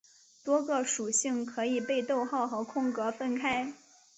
多个属性可以被逗号和空格分开。